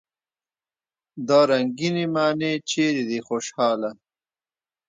دا رنګينې معنی چېرې دي خوشحاله!